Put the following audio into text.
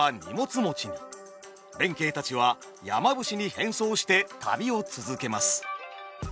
弁慶たちは山伏に変装して旅を続けます。